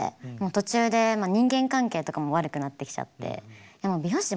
途中で人間関係とかも悪くなってきちゃって美容師